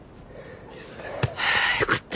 はあよかった。